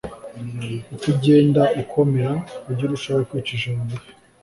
uko ugenda ukomera, ujye urushaho kwicisha bugufi